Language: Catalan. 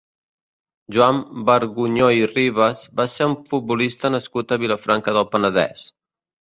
Joan Bargunyó i Ribas va ser un futbolista nascut a Vilafranca del Penedès.